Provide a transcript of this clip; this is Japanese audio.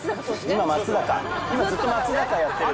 今ずっと松坂やってる」